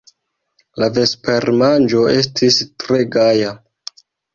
La vespermanĝo estis tre gaja.